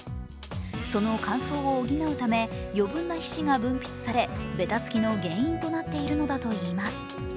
その乾燥を補うため余分な皮脂が分泌されべたつきの原因となっているのだといいます。